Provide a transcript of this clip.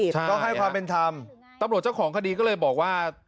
ต้องให้ความเป็นธรรมตำรวจเจ้าของคดีก็เลยบอกว่า